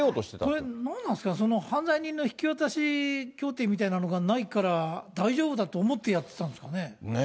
これ、何なんですかね、犯罪人の引き渡し協定みたいなのがないから、大丈夫だと思ってやってたんですかね。ね、